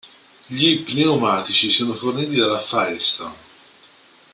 Gli pneumatici sono forniti dalla Firestone.